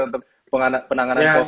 untuk penanganan covid itu kang